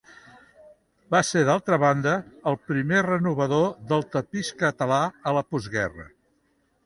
Va ser d'altra banda el primer renovador del tapís català a la postguerra.